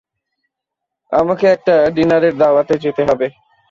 আমাকে একটা ডিনারের দাওয়াতে যেতে হবে।